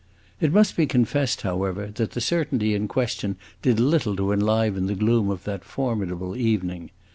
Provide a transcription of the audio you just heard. It must be confessed, however, that the certainty in question did little to enliven the gloom of that formidable evening.